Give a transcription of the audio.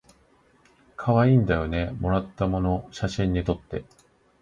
かわいいんだよねもらったもの写真にとって